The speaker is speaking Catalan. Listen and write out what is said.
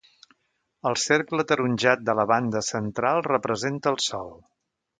El cercle ataronjat de la banda central representa el Sol.